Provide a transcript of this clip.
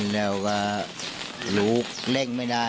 แล้วก็หลุบเล่งไม่ได้